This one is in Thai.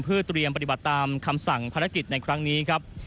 เพื่อเตรียมปฏิบัติตามคำสั่งภารกิจในครั้งนี้ครับ